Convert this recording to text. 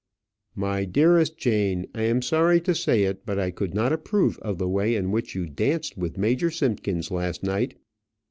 "My dearest Jane, I am sorry to say it, but I could not approve of the way in which you danced with Major Simkins last night."